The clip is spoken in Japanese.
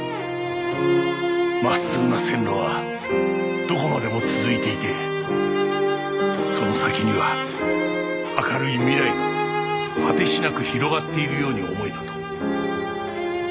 真っすぐな線路はどこまでも続いていてその先には明るい未来が果てしなく広がっているように思えたと。